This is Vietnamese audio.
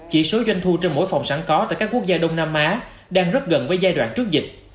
chỉ số doanh thu trên mỗi phòng sẵn có tại các quốc gia đông nam á đang rất gần với giai đoạn trước dịch